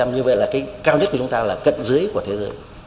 như vậy là cái cao nhất của chúng ta là cận dưới của thế giới